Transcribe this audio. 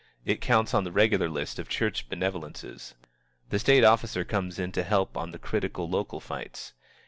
It counts on the regular list of church benevolences. The state officers come in to help on the critical local fights.